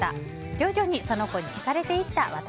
徐々にその子に引かれていった私。